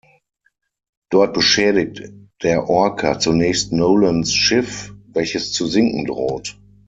Dort beschädigt der Orca zunächst Nolans Schiff, welches zu sinken droht.